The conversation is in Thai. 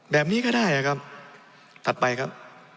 แบบนี้ก็ได้ครับถัดไปครับ